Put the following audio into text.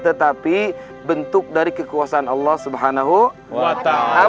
tetapi bentuk dari kekuasaan allah subhanahu wa ta'ala